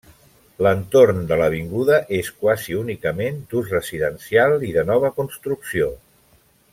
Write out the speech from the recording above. L'entorn de l'avinguda és quasi únicament d'ús residencial i de nova construcció.